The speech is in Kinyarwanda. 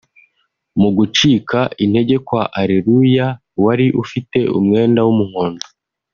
Mu gucika intege kwa Areruya wari ufite umwenda w’umuhondo